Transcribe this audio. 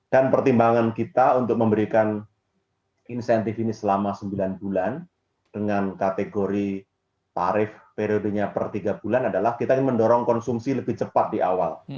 pertimbangan kita untuk memberikan insentif ini selama sembilan bulan dengan kategori tarif periodenya per tiga bulan adalah kita ingin mendorong konsumsi lebih cepat di awal